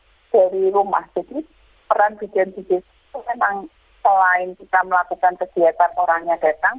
jadi orang bidan di desa itu memang selain kita melakukan kegiatan orangnya datang